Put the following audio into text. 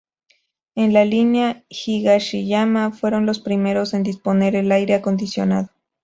En la línea Higashiyama fueron los primeros en disponer de aire acondicionado.